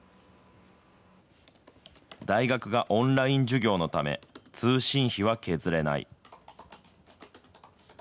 大学がオンライン授業のため通信費は削れない。